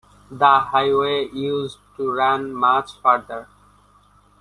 The highway used to run much farther.